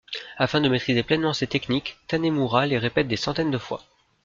Afin de maitriser pleinement ces techniques, Tanemura les répète des centaines de fois.